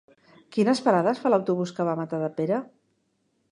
Quines parades fa l'autobús que va a Matadepera?